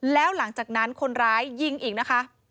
แล้วหลังจากนั้นคนร้ายยิงอีกนะคะ